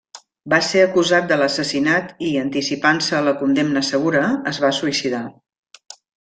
Va ser acusat de l'assassinat i, anticipant-se a la condemna segura, es va suïcidar.